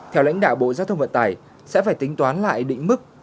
theo lãnh đạo bộ giao thông vận tài sẽ phải tính toán lại đỉnh mức